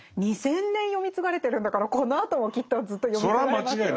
２，０００年読み継がれてるんだからこのあともきっとずっと読み継がれますよね。